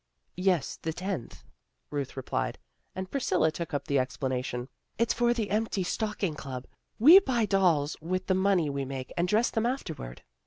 "" Yes, the tenth," Ruth replied, and Priscilla took up the explanation. " It's for the Empty Stocking Club. We buy dolls with the money we make, and dress them afterward."